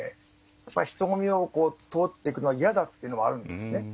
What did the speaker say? やっぱり人混みを通っていくのは嫌だってのもあるんですね。